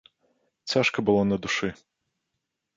Цяжка было на душы.